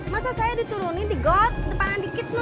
masa saya dituruni di got depanan dikit no